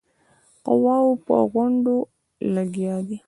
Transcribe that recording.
قواوو په غونډولو لګیا دی.